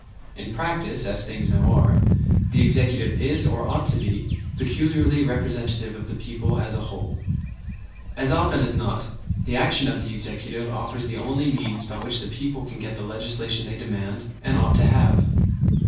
In practice, as things now are, the Executive is or ought to be peculiarly representative of the people as a whole. As often as not the action of the Executive offers the only means by which the people can get the legislation they demand and ought to have.